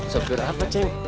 supir apa cik